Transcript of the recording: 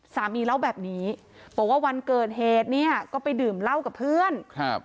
สามีเล่าแบบนี้บอกว่าวันเกิดเหตุเนี่ยก็ไปดื่มเหล้ากับเพื่อนครับ